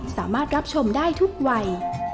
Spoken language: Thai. สามารถรับชมได้ทุกวัย